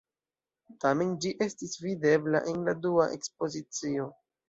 Tamen ĝi estis videbla en la dua ekspozicio.